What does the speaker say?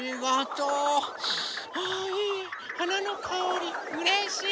うれしい。